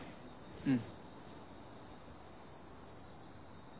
うん。